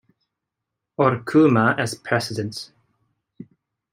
Orkuma as president.